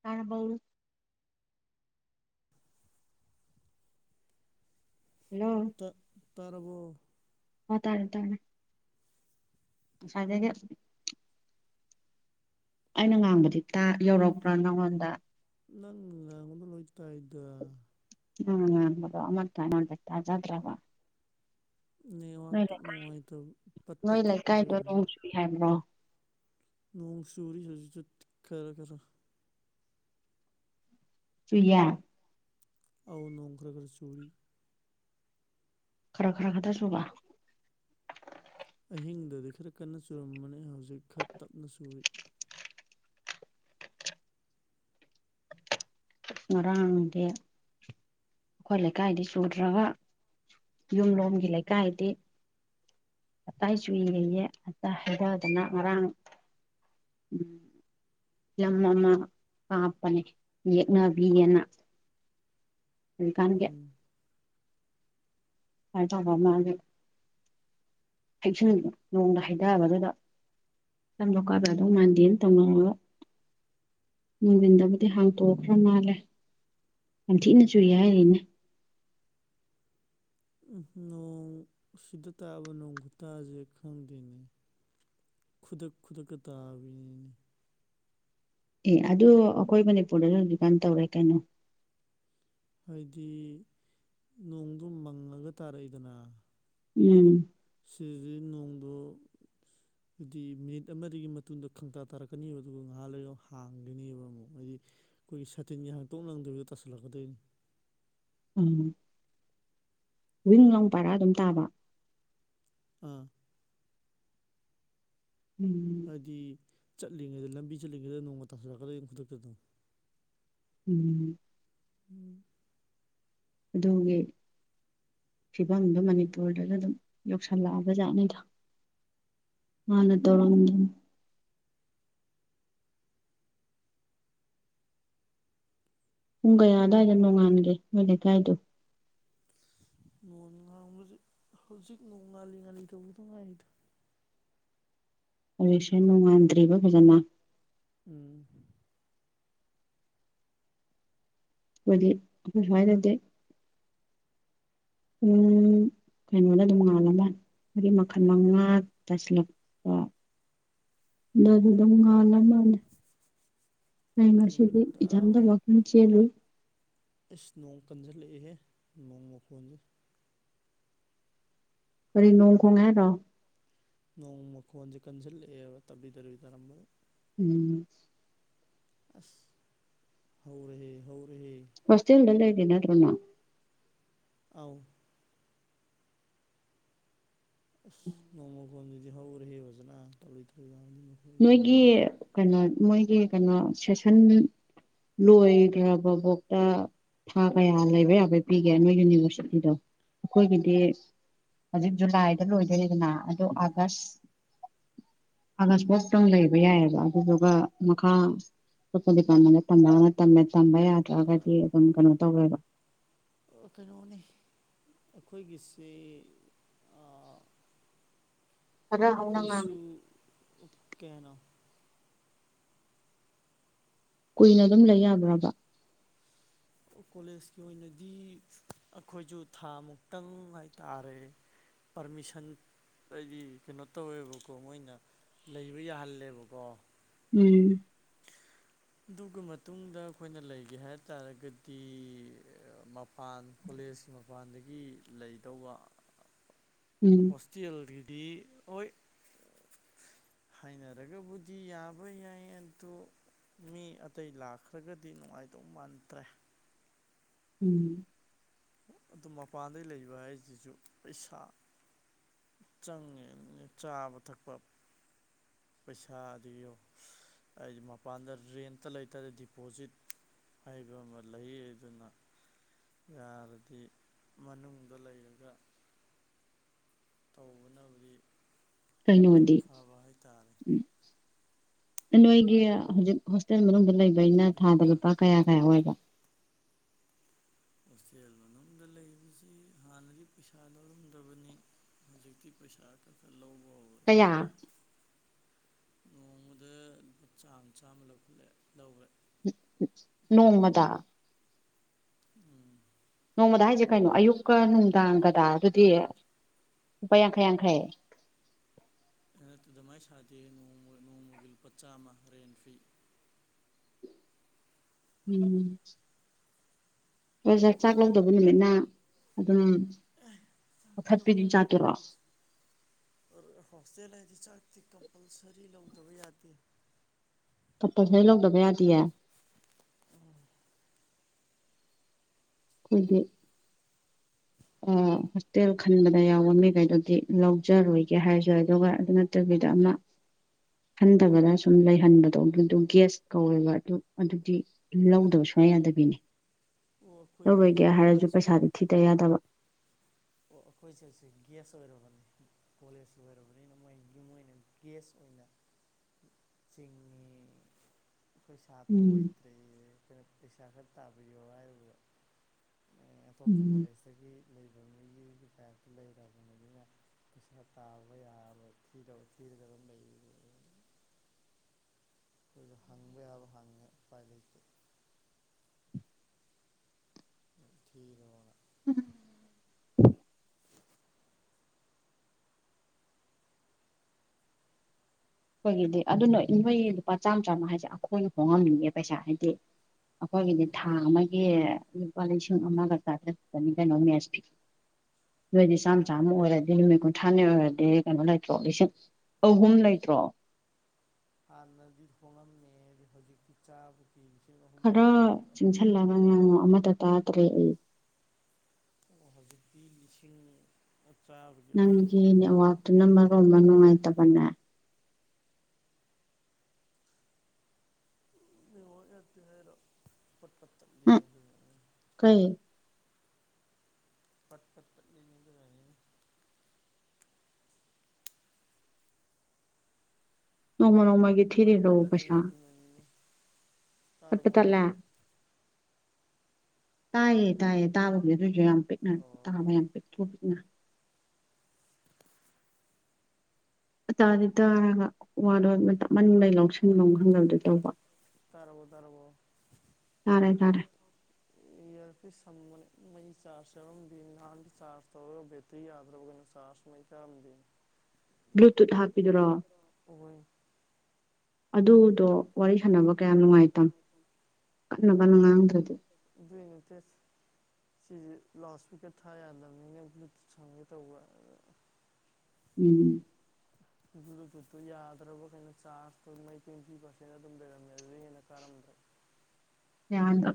ꯇꯥꫪꯕꯧ hello ꯇ ꯇꯥꯔꯕꯣ ꯑꯣ ꯇꯥꯔꯦ ꯇꯥꯔꯦ ꯉꯁꯥꯏꯗꯒꯤ ꯑꯩꯅ ꯉꯥꯡꯕꯗꯤ ꯇ ꯌꯧꯔꯛꯄ꯭ꯔꯥ ꯅꯪꯉꯣꯟꯗ ꯅꯪ ꯉꯥꯡꯕꯗꯤ ꯂꯣꯏꯇꯥꯏꯗ ꯑꯪꯅ ꯉꯥꯡꯕꯗꫭ ꯑꯃꯅꯥ ꯇꯥꯏ ꯆꯥꯗ꯭ꫪꯕꫭ ꯅ‌ꯦꯋꯥꯛꯇꫭ ꯅꯨꯡꯉꯥꯏꯇꯕ ꯄꯠ ꯅꯣꯏ ꯄꯇ ꯇꯞꯄꯥꯗꯨꯏ ꯂꯩꯀꯥꯏꯗꯣ ꯅꯣꯡ ꯑꫭꯏꫪꯝꯒꯤ ꯆꯨꯏ ꯍꯥꯏꯕ꯭ꯔꯣ ꯅꯣꯡ ꯆꯨꯔꯤ ꯍꯧꯖꯤꯛꯁꯨ ꯈꯔ ꯈꯔ ꯆꯨꯏꯌ‌ꯦ ꯑꯥꯎ ꯅꯣꯡ ꯈꫪ ꯈꫪ ꯆꯨꯔꯤ ꯈꯔ ꯈꯔ ꯈꯛꯇꯥ ꯆꯨꯕ ꯑꯍꯤꯡꯗꯗꯤ ꯈꯔ ꯀꯟꯅ ꯆꯨꯔꯝꯕꯅꯤ ꯍꯧꯖꯤꯛ ꯈꯔ ꯇꯞꯅ ꯆꯨꯏ ꯉꯔꯥꯡꯗꯤ ꯑꯩꯈꯣꯏ ꯂꯩꯀꯥꯏꯗꯤ ꯆꯨꯗ꯭ꯔꯒ ꯌꯨꯝ ꯂꯣꯝꯒꯤ ꯂꯩ ꯀꯥꯏꯗꯤ ꯇꯞꯇꯥ ꯆꯨꯏꯌ‌ꯦ ꯌꯦ ꯉꯥꯟꯇ ꯍꯩꯗꯗꯅ ꯉꯔꯥꯡ ꯎꯝ ꯌꯥꯝ ꯉꯥꯟꯅ ꯀꯥꯞꯄꯅꯦ ꯌꯦꯛꯅꯕꯤꯑ‍ꯦꯅ ꯍꯧꯖꯤꯛꯀꯥꯟꯒꯤ ꯎꯝ ꯍꯥꯏ ꯇꯧꯕ ꯃꯥꯖꯨ ꯍꯩꯁ ꯅꯣꯡꯗꫭ ꯍꯩꯗꯥꯕꯗꯨꯗ ꯁꯝꯗꫭ ꯀꯥꯞ ꯌꯥꯗꯧ ꯃꯟꯗ‌ꯦꯅ ꯇꯧꯅꯧꯍꯧꯕ ꯅꯨꯡꯗꯤꯟꯗꯕꯨꯗꯤ ꯍꯥꯡꯇꯣꯛꯈ꯭ꯔ ꯃꯥꯜꯂꯦ ꯌꯥꯝ ꯊꯤꯅ ꯆꯨꯏꯍꯥꯏꫪꯤꯅ‌ꯦ ꯎꯝ ꯅꯣꯡ ꯁꯤꯗ ꯇꯥꯕ ꯅꯣꯡ ꯈꯨꯨꯇꯥꯁꯦ ꯈꯪꯗꯦꯅꯦ ꯈꯨꯗꯛ ꯈꯨꯗꯛ ꯇꯥꯕꯤꯅꯤꯅ‌ꯦ ꯑꯦ ꯑꯗꯨ ꯑꯩꯈꯣꯏ ꯃꯅꯤꯄꯨꯔꯗꯁꯨ ꯍꯧꯖꯤꯛ ꯀꯥꯟ ꯇꯧꯔꯦ ꯀꯩꯅꯣ ꯍꯥꯏꯗꯤ ꯅꯣꯡꯗꯣ ꯃꯪꯉꯒ ꯇꯥꯔꯩꯏꯗꯅ ꯎꯝ ꯁꯗꯤ ꯅꯣꯡꯗꫭ ꯍꯥꯏꯗꯤ ꯃꯤꯅꯤꯠ ꯑꯃꯗꯒꯤ ꯃꯇꯨꯡꯗ ꯈꯪꯇꯥ ꯇꯥꯔꯛꯀꯅꯤꯕ ꯑꯗꯨꯒ ꯉꯥꯏꯍꯥ ꯂꯩꯒ ꯍꯥꯡꯒꯅꯦꯕ ꯑꯃꯨꯛ ꯍꯥꯏꯗꯤ ꯑꯩꯈꯣꯏꯒꯤ ꯁꯇꯤꯟꯒꯥ ꯅꯪꯗꯥꯕꯤꯗꯥ ꯇꯁꯤꯜꯂꯛꯀꯗꯣꯏꯅꯤ [inaudible] ꯎꯝ ꯋꯤꯡ ꯂꯥꯎ ꯄꯥꯏꯔ ꯑꯗꯨꯝ ꯇꯥꯕ ꯑ ꯎꯝ ꯍꯥꯏꯕꯗꯤ ꯆꯠꯂꯤꯉꯩꯗ ꯂꯝꯕꯤ ꯆꯠꯂꯤꯉꯩꯗ ꯅꯣꯡꯒ ꯇꯥꯁꯤꯜꯂꯛꯀꯗꯣꯏꯅꯤ ꯈꯨꯗꯛꯇ ꯑꯗꯨꯝ ꯎꯝ ꯎꯝ ꯑꯗꯨꯦ ꯐꯤꯕꯝꯗ ꯃꯅꯤꯄꯨꯔꯗꯁꯨ ꯑꯗꯨꯝ ꯌꯧꯁꯜꯂꯛꯑꯕꯖꯥꯠꯅꯤꯗ ꯃꯥꯅ ꯇꯧꯔ ꯄꯨꯡ ꯀꯌꯥ ꯑꯋꯥꯏꯗ ꯅꯣꯡꯉꯥꯟꯒꯦ ꯅꯣꯏ ꯂꯩꯀꯥꯏꯗꯨꯣ ꯅꯣꯡ ꯉꯥꯡꯕꯁꯤ ꯍꯧꯖꯤꯛ ꯅꯣꯡ ꯉꯥꯜꯂꯤ ꯉꯥꯜꯂꯤ ꯇꯧꯕꯗ ꯉꯥꯏꯔꯤꯗꯣ ꯍꯧꯖꯤꯛꯁꯦ ꯅꯨꯡꯉꯥꯟꯗ꯭ꯔꯤꯕ ꯐꯖꯅ ꯎꯝ ꯍꯗꯤ ꯍꯥꯏꯅꯠꯇꯦ ꯎꯝ ꯀꯩꯅꯣꯅ ꯑꯗꯨꯝꯉꯥꯜꯂꯝꯃꯅꯤ ꯃꯔꯤ ꯃꯈꯜ ꯃꯉꯥ ꯇꯥꯁꯤꯜꯂꯛꯄ ꯗ ꯑꯗꯨꯗ ꯃꯉꯥꯟꯂ ꯃꯥꯅꯦ ꯇ ꯅꯨꯃꯤꯠ ꯃꯁꯤꯗꯤ ꯏꯗ ꯋꯥꯀꯤꯡ ꯆꯦꯔ ꯏꯁꯁ ꯅꯣꯡ ꯀꯟꯓꯜꯂꯛꯏꯍꯦ ꯅꯣꯡ ꯃꯈꯣꯟꯁꯦ ꯀꯔꯤ ꯅꯣꯡꯈꯣꯡ ꯉ ꯇ ꯅꯣꯡꯃ ꯈꯨꯋꯥꯖ ꯀꯟꯖꯜ ꯇꯞ ꯇꯔꯤꯕꯤ ꯇꯔꯝꯝꯕ ꯎꯝ ꯑꯁ ꯍꯧꯔꯦ ꯍꯧ ꯐꯁꯦꯜꯗꯂ ꯑꯗꯨꯦꯅ ꯑꯗꯨꯨ ꯅ ꯑꯥꯎ ꯅꯣꯡꯃꯣ ꯐꯣꯝꯗꯨꯗꯤ ꯍꯧꯔꯦ ꯍꯦ ꯑꯣꯖꯅ ꯇꯧ ꯇꯧ ꯅꯣꯏꯒꯤ ꯀꯩꯅꯣ ꯃꯣꯏꯒꯤ ꯀꯩꯅꯣ ꯁꯦꯁꯟ ꯂꯣꯏ ꯈꯕꯥꯕꯨꯣꯛꯣꯛ ꯊꯥ ꯀꯌꯥ ꯂꯩꯕ ꯌꯥꯕꯩ ꯄꯤꯒꯦ ꯅꯣꯏ ꯌꯨꯅꯤꯚꯔꯁꯤꯇꯤꯗꯣ ꯑꯩꯈꯣꯏꯒꯤꯗꯤ ꯍꯧꯖꯤꯛ ꯖꯨꯂꯥꯏꯗ ꯂꯣꯏꯗꯣꯏꯔꯤꯗꯅ ꯑꯗ ꯑꯥꯒꯁ ꯑꯁ ꯑꯗꯨ ꯂꯩꯕ ꯌꯥꯏꯑꯕ ꯑꯗꯨꯗꯨꯒ ꯃꯈꯥ ꯑꯇꯣꯄ ꯗꯤꯄꯥꯔꯠꯃꯦꯟꯗ ꯇꯝꯕ ꯌꯥꯗ꯭ꯔꯒꯗꯤ ꯑꯗꯨꯝ ꯀꯩꯅꯣ ꯇꯧꯋꯦꯕ ꯑꯣ ꯀꯩꯅꯣꯅꯤ ꯑꯩꯈꯣꯏꯒꯤꯁꯤ ꯈꯔ ꯍꯧꯅ ꯉꯥꯡꯉꯦ ꯑꯩꯈꯣꯏꯁꯨ ꯀꯦꯅꯣ ꯀꯨꯏꯅ ꯑꯗꯨꯝ ꯂꯩ ꯌꯥꯕ꯭ꯔꯕ ꯀꯣꯂꯦꯖꯀꯤ ꯑꯣꯏꯅꯗꯤ ꯑꯩꯈꯣꯏꯁꯨ ꯊꯥ ꯃꯨꯛꯇꯪ ꯍꯥꯏꯇꯥꯔꯦ ꯄꯔꯃꯤꯁꯟ ꯑꯩꯗꯤ ꯀꯩꯅꯣ ꯇꯧꯋꯦꯕꯀꯣ ꯃꯣꯏꯅ ꯂꯩꯕ ꯌꯥꯍꯜꯂꯦꯕꯀꯣ ꯎꯝ ꯑꯗꯨꯒꯤ ꯃꯇꯨꯡꯗ ꯑꯩꯈꯣꯏꯅ ꯂꯩꯒꯦ ꯍꯥꯏ ꯇꯥꯔꯒꯗꯤ ꯃꯄꯥꯟ ꯀꯂꯦꯖꯀꯤ ꯃꯄꯥꯟꯗꯒꯤ ꯂꯩꯗꯧꯕ ꯎꯝ ꯍꯣꯁꯇꯦꯜ ꯔꯗꯤ ꯑꯣꯏꯣꯏ ꯍꯥꯏꯅꯔꯒꯕꯨꯗꯤ ꯌꯥꯕ ꯌꯥꯏ ꯑꯗꯣ ꯃꯤ ꯑꯇꯩ ꯂꯥꯛꯈ꯭ꯔꯒꯗꯤ ꯅꯨꯡꯉꯥꯏꯗꯧ ꯃꯥꯟꯗ꯭ꯔꯦ ꯎꯝ ꯑꯗꯨ ꯃꯄꯥꯟꯗꯩ ꯂꯩꯕ ꯍꯥꯏꯁꯤꯁꯨ ꯄꯩꯁꯥ ꯆꯪꯉꯦ ꯆꯥꯕ ꯊꯛꯄ ꯄꯩꯁꯥꯗꯣ ꯍꯥꯏꯗꯤ ꯃꯄꯥꯟꯗ ꯔꯦꯟꯇ ꯂꯩꯇꯔꯦ ꯗꯤꯄꯣꯖꯤꯠ ꯍꯥꯏꯕꯝꯕ ꯂꯩ ꯑꯗꯨꯅ ꯌꯥꯔ ꯍꯥꯏꯗꯤ ꯃꯅꯨꯡꯗ ꯂꯩꯔꯒ ꯇꯧꯕꯕꯨꯗꯤ ꯀꯩꯅꯣꯗꯤ ꯎ ꯅꯣꯏꯒꯤ ꯍꯧꯖꯤꯛ ꯍꯣꯇꯦꯜ ꯃꯅꯨꯡꯗ ꯂꯩꯕ ꯑꯩꯅ ꯊꯥꯗ ꯑꯗꯨꯒꯤꯅꯤꯗ ꯂꯨꯄꯥ ꯀꯌꯥ ꯀꯌꯥ ꯑꯣꯏꯕ ꯍꯣꯁꯇꯦꯜ ꯃꯅꯨꯡꯗ ꯂꯩꯕꯁꯤ ꯍꯥꯟꯅꯗꯤ ꯄꯩꯁꯥ ꯂꯧꯔꯝꯗꯕꯅꯤ ꯍꯧꯖꯤꯛꯇꯤ ꯄꯩꯁꯥ ꯈꯔ ꯈꯔ ꯂꯧꯕ ꯍꯧꯔꯦ ꯀꯌꯥ ꯅꯣꯡꯃꯗ ꯂꯨꯄꯥ ꯆꯥꯝꯃ ꯆꯥꯝꯃ ꯂꯧꯈꯠꯂꯑꯦ ꯂꯧꯔꯦ ꯅꯣꯡꯃꯗ ꯎꯝ ꯅꯣꯡꯃꯗ ꯍꯥꯏꯁꯦ ꯀꯩꯅꯣ ꯑꯌꯨꯛꯀ ꯅꯨꯡꯗꯥꯡꯒ ꯇꯥꯔꯒꯗꯤ ꯄꯨꯡ ꯂꯨꯄꯥ ꯌꯥꯡꯈꯩ ꯌꯥꯡꯈꯩ ꯑꯩꯅ ꯑꯗꯨꯃꯥꯏꯅ ꯁꯥꯗꯦ ꯅꯣꯡꯃꯒꯤ ꯂꯨꯄꯥ ꯆꯝꯃꯥ ꯔꯦꯟ ꯐꯤ ꯎꯝ ꯍ ꯆꯥꯛ ꯆꯥꯛ ꯂꯧꯗꯕ ꯅꯨꯃꯤꯠꯅ ꯑꯗꯨꯝ ꯆꯥꯛꯇꯤ ꯊꯠꯄꯤ ꯂꯧꯖꯗꯦ ꯆꯥꯇꯔ ꯀꯝꯄꯜꯁ ꯍꯣꯁꯇꯦꯜ ꯍꯥꯏꯗꯤ ꯆꯥꯛꯇꯤ ꯀꯝꯄꯜꯁꯔꯤ ꯂꯧꯗꯕ ꯌꯥꯗꯦ ꯄꯞꯄ ꯐꯅꯤ ꯂꯗꯕꯌꯥꯗꯤꯌꯦ ꯑꯣ ꯈꯣꯏꯗꯤ ꯑꯣ ꯍꯣꯁꯇꯦꯜ ꯈꯟꯕꯗ ꯌꯥꯎꯕ ꯃꯤꯈꯩꯗꯨꯗꯤ ꯂꯧꯖꯔꯨꯒꯦ ꯍꯥꯏꯁꯨ ꯑꯗꯨꯒ ꯑꯗꯨ ꯅꯠꯇꯕꯤ ꯑꯣꯏꯗ ꯌꯥꯝꯅ ꯈꯟꯊꯕꯗ ꯁꯨꯝ ꯂꯩꯍꯟꯕꯗꯣ ꯑꯗꯨ ꯒ꯭ꯦꯁ ꯀꯧꯋꯦꯕ ꯑꯗꯨ ꯑꯗꯨꯗꯤ ꯂꯧꯗꯕꯁꯨ ꯁꯨꯃꯌꯥ ꯌꯥꯗꯕꯤꯅꯤ ꯑꯩꯈꯣꯏꯁꯦ ꯇꯧꯕꯣꯏꯒꯦ ꯍꯧꯖꯤꯛ ꯍꯥꯏꯔꯁꯨ ꯒ꯭ꯌꯥꯁ ꯄꯩꯁꯥꯗꯤ ꯊꯤꯗ ꯌꯥꯗꯕ ꯑꯣ ꯑꯩꯈꯣꯏꯁꯦꯁꯦ ꯒ꯭ꯌꯥꯁ ꯑꯣꯏꯔꯕꯅꯤ ꯀꯣꯂꯦꯖ ꯑꯣꯏꯔꯕꯅꯤꯅ ꯃꯣꯏ ꯌꯨꯝꯣꯏꯅ ꯒꯌꯥꯁ ꯍꯤ ꯆꯤꯡ ꯑꯩꯈꯣꯏ ꯁꯥꯇ꯭ꯔ ꯎꯝ ꯑꯣꯏꯗ꯭ꯔꯦ ꯑꯩꯈꯣꯏꯅ ꯄꯩꯁꯥ ꯈꯔ ꯇꯥꯕꯤꯌꯣ ꯍꯥꯏꯕꯗ ꯑꯇꯣꯞꯄ ꯀꯣꯂꯦꯖꯇꯒꯤ ꯗꯦ ꯂꯩꯕꯅꯤ ꯄꯩꯁꯥ ꯇꯥꯕ ꯌꯥꯕ ꯊꯤ ꯊꯤꯔꯒ ꯑꯗꯨꯝ ꯂꯩ ꯑꯩꯈꯣꯏꯗ ꯍꯪꯕ ꯌꯥꯕ ꯍꯪꯉꯦ ꯎꯄꯥꯏ ꯂꯩꯇꯦ ꯊꯤ ꯑꯩꯈꯣꯏꯒꯤꯗꯤ ꯑꯗꯨꯅ ꯏꯣꯏ ꯂꯨꯄꯥ ꯆꯥꯝꯃ ꯆꯥꯝꯃ ꯍꯥꯏꯁꯦ ꯑꯩꯈꯣꯏ ꯍꯣꯡꯉꯝꯅꯤꯡꯉꯦ ꯄꯩꯁꯥ ꯍꯥꯏꯗꯤ ꯑꯩꯈꯣꯏꯒꯤꯗꯤ ꯊꯥ ꯑꯦꯍꯦ ꯑꯃꯒꯤ ꯂꯨꯄꯥ ꯂꯤꯁꯤꯡ ꯑꯃꯒ ꯆꯥꯊ꯭ꯔ ꯈꯛꯇꯅꯤ ꯃꯦꯁ ꯐꯤ ꯅꯣꯏꯗꯤ ꯆꯥꯝꯃ ꯆꯥꯝꯃ ꯍꯥꯟꯅꯒ ꯑꯣꯏꯔꯗꯤ ꯅꯨꯃꯤꯠ ꯀꯨꯟꯊ꯭ꯔꯥꯅꯤ ꯑꯣꯏꯔꯗꯤ ꯀꯩꯅꯣ ꯂꯩꯇ꯭ꯔꯣ ꯂꯤꯁꯤꯡ ꯑꯍꯨꯝ ꯂꯩꯇ꯭ꯔꯣ ꯑ ꯅꯗꯤ ꯍꯉꯟ ꯃ ꯍꯧꯖꯤꯛꯀꯤ ꯆꯥꯕ ꯈꯔ ꯆꯪꯁꯤꯜꯂꯒ ꯉꯥꯉꯨ ꯑꯃꯗ ꯇꯥꯗ꯭ꯔꯦ ꯑꯩ ꯑꯣ ꯍꯧꯖꯤꯛꯇꯤ ꯂꯤꯁꯤꯡ ꯆꯥꯕꯒꯤ ꯑꯍꯨꯝ ꯅꯪꯒꯤ ꯑꯦꯋꯥꯔꯠꯇꯨꯅ ꯃꯔꯔꯣꯕ ꯅꯨꯡꯉꯥꯏꯇꯕꯅꯦ ꯑꯦ ꯉꯔꯣ ꯐꯠꯇ ꯑ ꯀꯩ ꯄꯠ ꯇꯗ ꯀꯅꯤ ꯅꯣꯡꯃ ꯅꯣꯡꯃꯒꯤ ꯄꯠ ꯊꯤꯔꯤꯔꯣ ꯄꯠ ꯇ ꯄꯩꯁꯥ ꯂꯩꯉꯗꯤꯅꯦ ꯄꯠ ꯄꯠ ꯇꯥꯠꯂꯦ ꯇꯥꯏꯌꯦ ꯇꯥꯏꯌꯦ ꯇꯥꯕꯗꯤ ꯑꯗꯨꯑꯣꯏꯁꯨ ꯌꯥꯝ ꯄꯤꯛꯅ ꯍꯜꯂꯣ ꯇꯥꯕ ꯌꯥꯝ ꯄꯤꯛꯇꯔꯨꯄꯤꯛꯅ ꯑꯇꯥꯗꯤ ꯇꯥꯔꯒ ꯋꯥꯗꯣ ꯃꯅꯤꯡ ꯂꯩꯩ ꯂꯧꯁꯤꯟꯐꯝꯣ ꯈꯪꯗꯕꯗꯨ ꯇꯧꯕ ꯇꯔꯕꯣ ꯇꯔꯕꯣ ꯇꯥꯔꯦ ꯇꯥꯔꯦ ꯃꯩ ꯆꯥꯔꯖ ꯁꯦꯝꯔꯝ ꯅꯍꯥꯟ ꯆꯥꯔꯖ ꯇꯧꯔꯒ ꯕꯦꯇ ꯌꯥꯗ꯭ꯔꯕ ꯀꯩꯅꯣ ꯆꯥꯔꯖ ꯃꯩ ꯁꯝꯗꯤ ꯕ꯭ꯂꯨꯇꯨꯠ ꯍꯥꯞꯄꯤꯗꯨꯔꯣ ꯑꯣꯏ ꯑꯗꯨꯗꯣ ꯋꯥꯔꯤ ꯁꯥꯟꯅꯕ ꯀꯌꯥꯝ ꯅꯨꯡꯉꯥꯏꯇꯝ ꯀꯠꯅꯕꯅ ꯉꯥꯡꯗ꯭ꯔꯗꯤ ꯆꯁ ꯁꯤꯁ ꯂꯥꯁ ꯤꯀꯦꯠ ꯊꯥ ꯌꯥꯗꯕꯅꯤꯅ ꯕ꯭ꯂꯨꯨ ꯁꯪꯒꯦ ꯇꯧꯕ ꯎꯝ ꯖꯨꯨ ꯖꯨꯠꯇꯨ ꯌꯥꯗ꯭ꯔꯕ ꯀꯩꯅꯣ ꯆꯥꯔꯇ ꯃꯩꯀ ꯄꯤꯕꯁꯤꯅ ꯑꯗꯨꯝ ꯂꯩꯔꯝꯃꯦ ꯑꯗꯨ ꯍꯦꯟꯅ ꯀꯥꯔꯝꯗ꯭ꯔꯦ ꯌꯥꯗ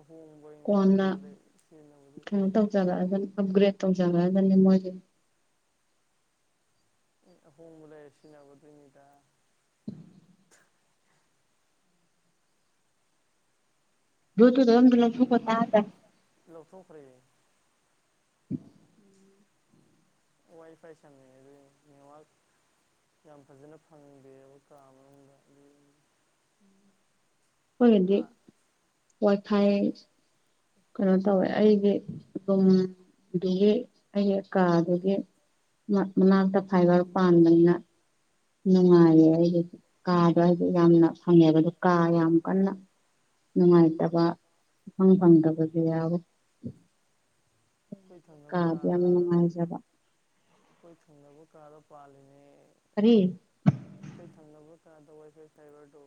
ꯑꯍꯣꯡꯕ ꯀꯣꯟꯅ ꯑꯍꯣꯡꯕꯗꯩ ꯁꯤꯖꯤꯟꯅꯕꯗ ꯑꯞꯒ꯭ꯔꯦꯠ ꯇꯧ ꯆꯔꯅꯤ ꯃꯖꯦ ꯍꯣꯂ ꯑꯦꯁꯤꯅꯕ ꯇꯅꯤꯗ ꯣ ꯇꯗ ꯑꯗꯂ ꯊꯨꯀ ꯇ ꯇ ꯂꯧꯊꯣꯛꯈ꯭ꯔꯦ ꯎꯝ ꯋꯥꯏ ꯐꯥꯏ ꯆꯃꯤꯗꯤ ꯅ ꯋꯥ ꯌꯥꯝ ꯐꯖꯅ ꯐꯪꯗꯦꯕ ꯀꯥ ꯃꯅꯨꯡꯗ ꯑꯗꯨ ꯍꯣꯏꯒꯗꯤ ꯋꯥꯏ ꯐꯥꯏ ꯀꯩꯅꯣ ꯇꯧꯋꯦ ꯑꯩꯒꯤ ꯑꯗꯨꯨꯝꯗꯨꯒꯤ ꯑꯩꯒꯤ ꯀꯥꯗꯨꯒꯤ ꯃꯅꯥꯛꯇ ꯐꯥꯏꯕꯔ ꯄꯥꯟꯕꯅꯤꯅ ꯅꯨꯡꯉꯥꯏꯌꯦ ꯑꯩꯒꯤ ꯀꯥꯗꯣ ꯑꯩꯗꯤ ꯌꯥꯝꯅ ꯐꯪꯉꯦꯕ ꯑ ꯀꯥ ꯌꯥꯝ ꯀꯟꯅ ꯅꯨꯡꯉꯥꯏꯇꯕ ꯃꯪ ꯐꯪꯗꯕꯁꯨ ꯌꯥꯎꯋ ꯊꯪꯅꯕ ꯀꯥꯕꯤ ꯀꯥꯗ ꯅꯨꯡꯉꯥꯏꯖꯕ ꯑꯩꯈꯣꯏ ꯊꯪꯅꯕ ꯀꯥꯔ ꯄꯥꯜꯂꯤꯦꯅꯦ ꯀꯔꯤ ꯑꯩꯈꯣꯏ ꯊꯪꯅꯕ ꯗꯁꯦ ꯁꯥꯏꯕꯔ ꯇ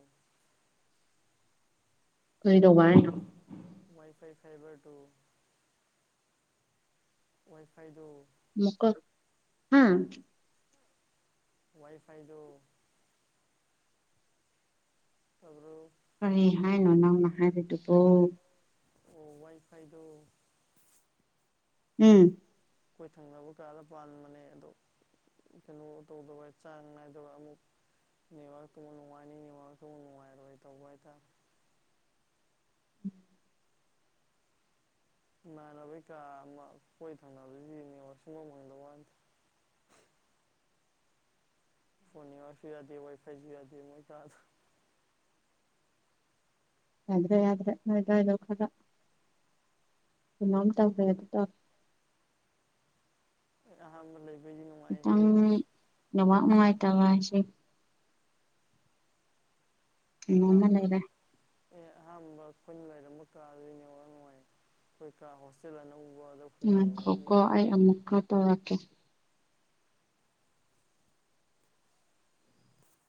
ꯀꯩꯗꯧꯕ ꯍꯥꯏꯅꯣ ꯋꯥꯏ ꯐꯥꯏ ꯐꯥꯏꯚꯔ ꯇꯨ ꯋꯥꯏ ꯐꯥꯏꯗ ꯃꯀ ꯍꯥꯥ ꯋꯥꯏꯐꯥꯏꯗ ꯑꯗꯨ꯭ꯔ ꯀꯔꯤ ꯍꯥꯏꯅꯣ ꯅꯪꯅ ꯍꯥꯏꯔꯤꯗꯨꯕꯣ ꯑꯣ ꯋꯥꯏ ꯐꯥꯏꯗ ꯎꯝ ꯑꯩꯈꯣꯏ ꯊꯪꯅꯕ ꯀꯥꯗ ꯄꯥꯟꯕꯅꯦ ꯑꯗꯣ ꯀꯩꯅꯣ ꯇꯧꯗꯕ ꯆꯥꯡ ꯅꯥꯏꯗꯕ ꯑꯃꯨꯛ ꯅꯕꯥꯛ ꯇ ꯅꯨꯡꯉꯥꯏꯅꯤ ꯅꯕꯥꯛꯛꯇ ꯅꯨꯡꯉꯥꯏꯔꯣꯏ ꯇꯧꯕ ꯍꯥꯏꯇꯥ [unintelligible] ꯏꯃꯥꯟꯅꯕꯩ ꯀꯥ ꯑꯃ ꯀꯣꯏ ꯊꯪꯅꯕꯁꯤꯅꯦꯉ ꯁꯨꯡꯕ ꯐꯪꯗꯕ ꯋꯥꯗ [unintelligible] ꯐꯣꯟ ꯋꯥꯁꯨ ꯌꯥꯗ ꯋꯥꯏ ꯐꯥꯏꯁꯨ ꯌꯥꯗ ꯃꯣꯏ ꯀꯥꯗ ꯌꯥꯗ꯭ꯔꯦ ꯌꯥ꯭ꯔꯦ ꯅꯗ ꯏ ꯂꯣ ꯀꯒ ꯃꯃꯝ ꯇꯥꯈ꯭ꯔꯦ ꯑꯗꯨ ꯇꯥꯛ ꯑ ꯃ ꯈꯤꯇꯪ ꯅꯋꯥꯥꯛ ꯄꯩꯁꯥ ꯅꯨꯡꯉꯥꯏꯇꯕ ꯍꯥꯏꯁꯦ ꯎ ꯃꯃꯦ ꯑꯍꯥꯟꯕ ꯂꯩ ꯏꯔꯦ ꯑꯦ ꯑꯍꯥꯟꯕ ꯑꯩꯈꯣꯏꯅ ꯂꯩꯔꯝꯕ ꯀꯥꯗꯅꯦ ꯋꯥ ꯅꯨꯡꯉꯥꯏ ꯑꯩꯈꯣꯏ ꯀꯥ ꯍꯣꯁꯇꯦꯜ ꯑꯅꯧꯕ ꯎꯝ ꯀ ꯀꯣ ꯑꯩ ꯑꯃꯨꯛ ꯈꯠꯇ ꯋꯥꯀꯦ